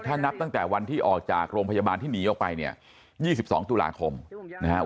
ถ้านับตั้งแต่วันที่ออกจากโรงพยาบาลที่หนีออกไปเนี่ย๒๒ตุลาคมนะครับ